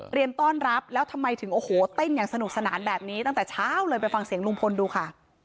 ต้อนรับแล้วทำไมถึงโอ้โหเต้นอย่างสนุกสนานแบบนี้ตั้งแต่เช้าเลยไปฟังเสียงลุงพลดูค่ะ